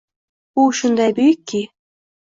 U shunday buyukki